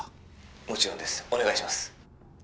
もちろんですお願いします